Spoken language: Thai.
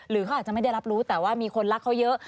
เขาอาจจะไม่ได้รับรู้แต่ว่ามีคนรักเขาเยอะ